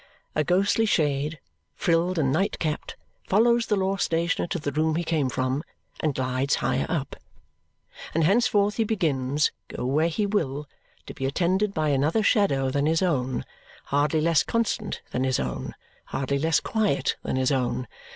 A ghostly shade, frilled and night capped, follows the law stationer to the room he came from and glides higher up. And henceforth he begins, go where he will, to be attended by another shadow than his own, hardly less constant than his own, hardly less quiet than his own.